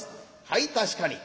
「はい確かに」。